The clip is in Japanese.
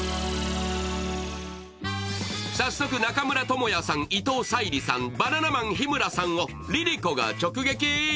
早速、中村倫也さん、伊藤沙莉さん、バナナマン・日村さんをＬｉＬｉＣｏが直撃。